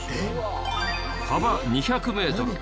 幅２００メートル